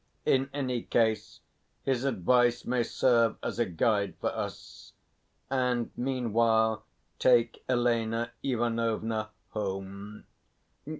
In any case his advice may serve as a guide for us. And meanwhile take Elena Ivanovna home....